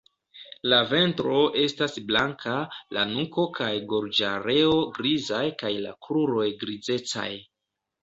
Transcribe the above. La ventro estas blanka, la nuko kaj gorĝareo grizaj kaj la kruroj grizecaj.